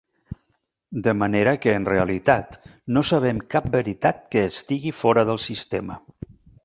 De manera que en realitat, no sabem cap veritat que estigui fora del sistema.